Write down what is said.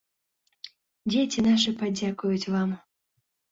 Дзеці нашы падзякуюць вам!